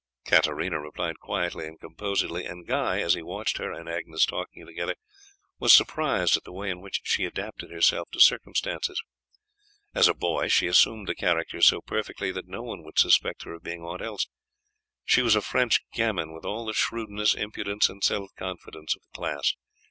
Katarina replied quietly and composedly, and Guy, as he watched her and Agnes talking together, was surprised at the way in which she adapted herself to circumstances. As a boy she assumed the character so perfectly that no one would suspect her of being aught else. She was a French gamin, with all the shrewdness, impudence, and self confidence of the class.